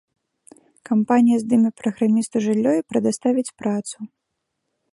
Кампанія здыме праграмісту жыллё і прадаставіць працу!